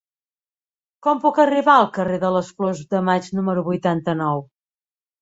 Com puc arribar al carrer de les Flors de Maig número vuitanta-nou?